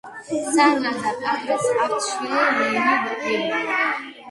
სანდრას და პატრის ჰყავთ შვილი ლენი ევრა.